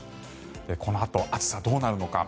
このあと、暑さどうなるのか。